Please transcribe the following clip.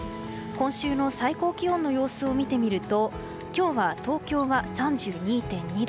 今週の最高気温の様子を見てみると今日は東京は３２．２度。